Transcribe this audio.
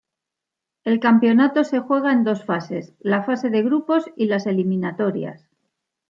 El campeonato se juega en dos fases, la fase de grupos y las eliminatorias.